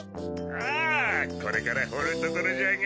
ああこれからほるところジャガ。